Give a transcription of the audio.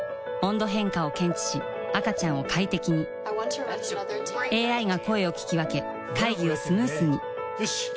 温度変化を検知し赤ちゃんを快適にＡＩが声を聞き分け会議をスムースによし！